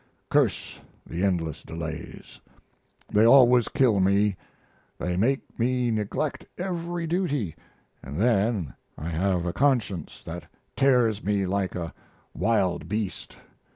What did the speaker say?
Curse the endless delays! They always kill me they make me neglect every duty, and then I have a conscience that tears me like a wild beast.